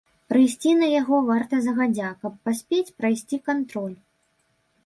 Прыйсці на яго варта загадзя, каб паспець прайсці кантроль.